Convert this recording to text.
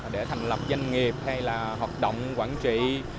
để thành lập doanh nghiệp hay là hoạt động quản trị